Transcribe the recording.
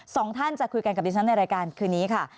สองท่านจะคุยกันกับดิฉันในรายการคืนนี้ค่ะ